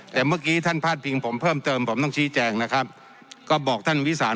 แต่เมื่อกี้ท่านพาดพิงผมเพิ่มเติมผมต้องชี้แจงนะครับก็บอกท่านวิสาน